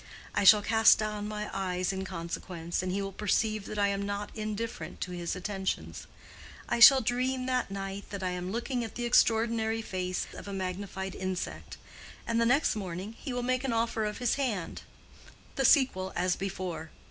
I shall cast down my eyes in consequence, and he will perceive that I am not indifferent to his attentions. I shall dream that night that I am looking at the extraordinary face of a magnified insect—and the next morning he will make an offer of his hand; the sequel as before."